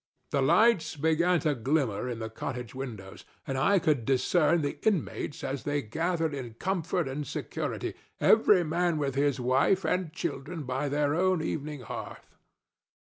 The lights began to glimmer in the cottage windows, and I could discern the inmates as they gathered in comfort and security, every man with his wife and children by their own evening hearth.